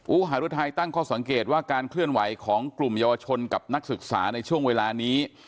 หารุทัยตั้งข้อสังเกตว่าการเคลื่อนไหวของกลุ่มเยาวชนกับนักศึกษาในช่วงเวลานี้